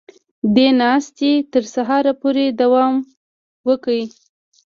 دې ناستې تر سهاره پورې دوام وکړ